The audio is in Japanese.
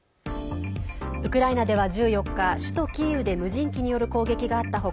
ウクライナでは１４日首都キーウで無人機による攻撃があった他